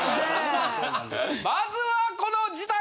まずはこの自宅！